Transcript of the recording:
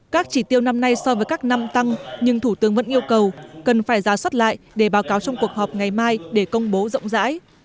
các chỉ tiêu năm nay so với các năm tăng nhưng thủ tướng vẫn yêu cầu cần phải ra soát lại để báo cáo trong cuộc họp ngày mai để công bố rộng rãi